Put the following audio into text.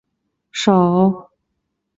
首府位于白山市。